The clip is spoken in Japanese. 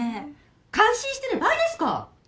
感心してる場合ですか！